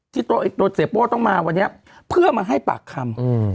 ตัวเสียโป้ต้องมาวันนี้เพื่อมาให้ปากคำ